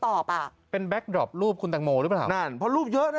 ตอบอ่ะเป็นแบ็คดรอปรูปคุณตังโมหรือเปล่านั่นพอรูปเยอะ